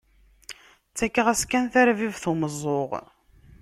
Ttakeɣ-as kan, tarbibt umeẓẓuɣ.